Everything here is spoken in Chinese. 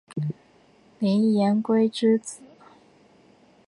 林廷圭之子。